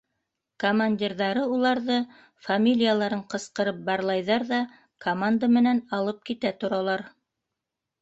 Командирҙары уларҙы, фамилияларын ҡысҡырып, барлайҙар ҙа команда менән алып китә торалар.